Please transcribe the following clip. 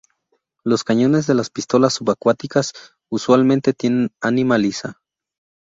Los cañones de las pistolas subacuáticas usualmente tienen ánima lisa.